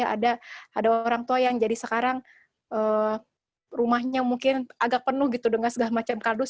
ada orang tua yang jadi sekarang rumahnya mungkin agak penuh gitu dengan segala macam kardus